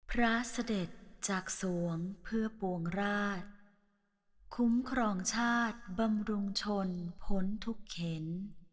พระเสด็จจากสวงเพื่อปวงราชคุ้มครองชาติบำรุงชนพ้นทุกเข็น